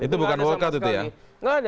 itu bukan walkout itu ya